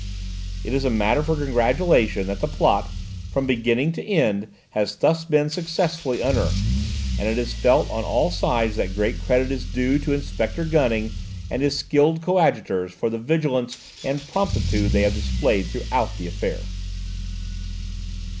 It is a matter for congratulation that the plot, from beginning to end, has been thus successfully unearthed, and it is felt on all sides that great credit is due to Inspector Gunning and his skilled coadjutors for the vigilance and promptitude they have displayed throughout the affair."